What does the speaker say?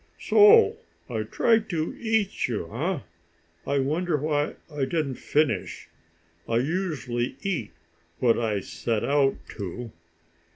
So I tried to eat you, eh? I wonder why I didn't finish. I usually eat what I set out to."